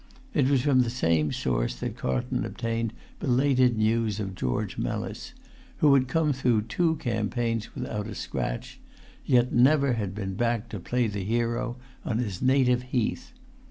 It was from the same source that Carlton obtained belated news of George Mellis, who had come through two campaigns without a scratch, yet never been back to play the hero on his native heath.